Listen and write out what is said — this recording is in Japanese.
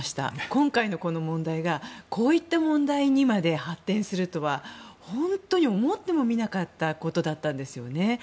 今回の問題が、こういった問題にまで発展するとは本当に思ってもみなかったことなんですよね。